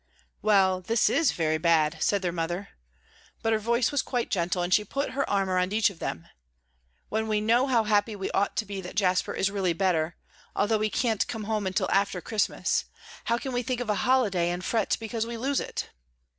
"Well, this is very bad," said their mother. But her voice was quite gentle, and she put her arm around each of them. "When we know how happy we ought to be that Jasper is really better, although he can't come home until after Christmas, how can we think of a holiday, and fret because we lose it?"